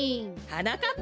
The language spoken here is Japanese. はなかっ